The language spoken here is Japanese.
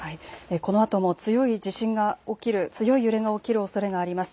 このあとも強い地震が起きる、強い揺れが起きるおそれがあります。